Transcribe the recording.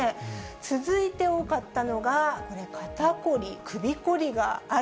続いて多かったのが、肩凝り、首凝りがある。